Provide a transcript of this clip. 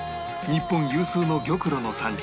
日本有数の玉露の産地